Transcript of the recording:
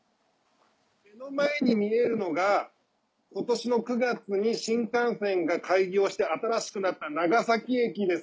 目の前に見えるのが今年の９月に新幹線が開業して新しくなった長崎駅です。